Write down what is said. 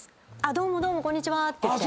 どうもどうもこんにちはって。